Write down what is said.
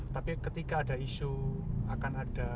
tapi ketika ada isu akan ada